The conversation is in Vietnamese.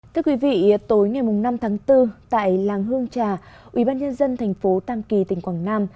thưa quý vị tối ngày năm tháng bốn tại làng hương trà ubnd tp tam kỳ tỉnh quảng nam